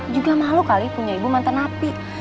juga malu kali punya ibu mantan napi